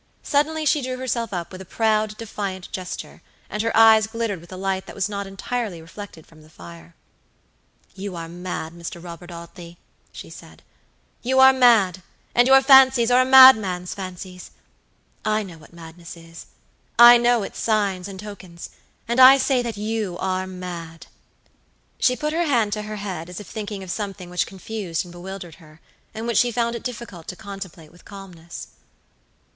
Suddenly she drew herself up with a proud, defiant gesture, and her eyes glittered with a light that was not entirely reflected from the fire. "You are mad, Mr. Robert Audley," she said, "you are mad, and your fancies are a madman's fancies. I know what madness is. I know its signs and tokens, and I say that you are mad." She put her hand to her head, as if thinking of something which confused and bewildered her, and which she found it difficult to contemplate with calmness.